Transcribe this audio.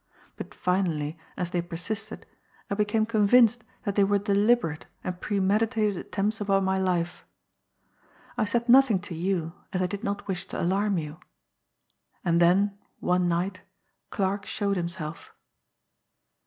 But finally, as they persisted, I became convinced that they were deliberate and premeditated attempts upon my life. I said nothing to you, as I did not wish to alarm you. And then one night Clarke showed himself.